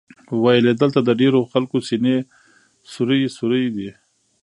ویل یې دلته د ډېرو خلکو سینې سوري سوري دي.